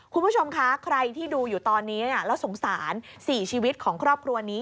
คุณผู้ชมคะใครที่ดูอยู่ตอนนี้แล้วสงสาร๔ชีวิตของครอบครัวนี้